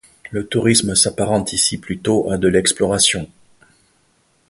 Le tourisme s'apparente ici plutôt à de l'exploration.